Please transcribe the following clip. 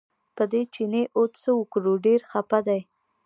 په دې چیني اوس څه وکړو ډېر خپه دی.